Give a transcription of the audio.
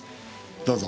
どうぞ。